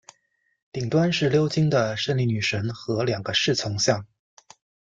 顶端是鎏金的胜利女神和两个侍从像。